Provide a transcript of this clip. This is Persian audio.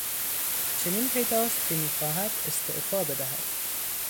چنین پیداست که میخواهد استعفا بدهد.